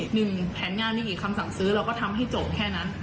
หนึ่งแผนงานมีกี่คำสั่งซื้อเราก็ทำให้จบแค่นั้น